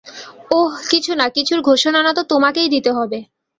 ওহ, কিছু না কিছুর ঘোষণা না তো তোমাকে দিতেই হবে।